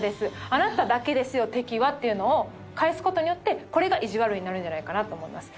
あなただけですよ敵はっていうのを返す事によってこれがいじわるになるんじゃないかなと思います。